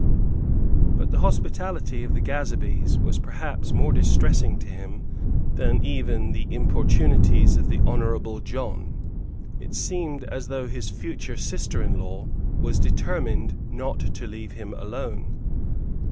But the hospitality of the Gazebees was perhaps more distressing to him than even the importunities of the Honourable John. It seemed as though his future sister in law was determined not to leave him alone.